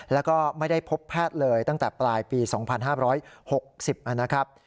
แล้วก็ไม่ได้พบแพทย์เลยตั้งแต่ปลายปี๒๕๖๐นะครับ